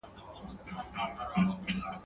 هر چا وژلي په خپل نوبت یو !.